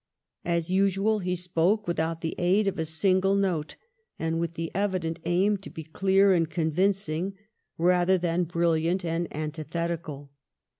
As usnaly he spoke without the aid of a siDgle note, and with the evident aim to be clear and convin oing rather than brilliant and antithetical.